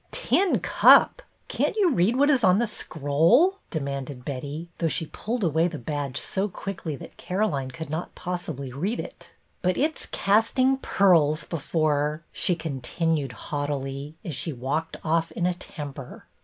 " Tin cup ! Can't you read what is on the scroll.?" demanded Betty, though she pulled away the badge so quickly that Caroline could not possibly read it. " But it 's casting pearls before —" she continued haughtily, as she walked off in a temper.